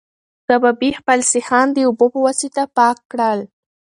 کبابي خپل سیخان د اوبو په واسطه پاک کړل.